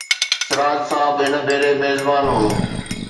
سراج صاحب هن ڀيري ميزبان هو.